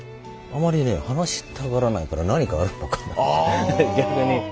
あまりね話したがらないから何かあるのかな逆に。